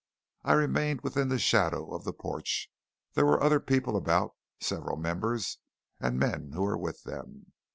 I remained within the shadow of the porch there were other people about several Members, and men who were with them.